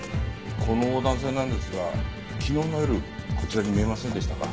この男性なんですが昨日の夜こちらに見えませんでしたか？